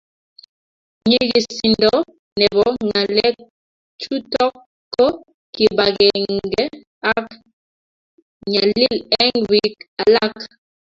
nyigisindo nebo ngalek chutok ko kibagenge ak nyalil eng piik alak